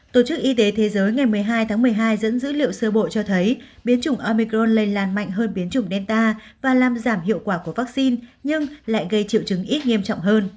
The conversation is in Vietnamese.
tổ chức y tế thế giới ngày một mươi hai tháng một mươi hai dẫn dữ liệu sơ bộ cho thấy biến chủng omicron lây lan mạnh hơn biến chủng delta và làm giảm hiệu quả của vaccine nhưng lại gây triệu chứng ít nghiêm trọng hơn